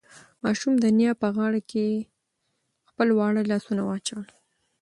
ماشوم د نیا په غاړه کې خپل واړه لاسونه واچول.